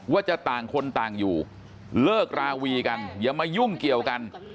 ว่าจะต่างคนต่างอยู่เลิกราวีกันอย่ามายุ่งเกี่ยวกัน